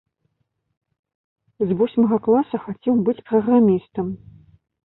З восьмага класа хацеў быць праграмістам.